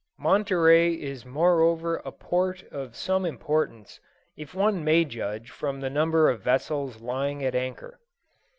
Monterey is moreover a port of some importance, if one may judge from the number of vessels lying at anchor.